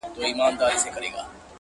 تفریح د ژوند رنګ زیاتوي